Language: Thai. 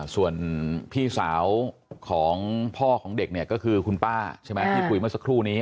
ส่วนพี่สาวของพ่อของเด็กเนี่ยก็คือคุณป้าใช่ไหมที่คุยเมื่อสักครู่นี้